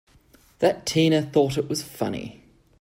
That Tina thought it was funny!